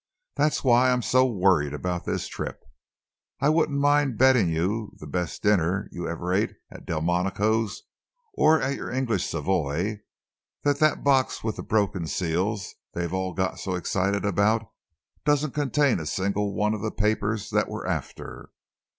That's why I am so worried about this trip. I wouldn't mind betting you the best dinner you ever ate at Delmonico's or at your English Savoy that that box with the broken seals they all got so excited about doesn't contain a single one of the papers that we're after.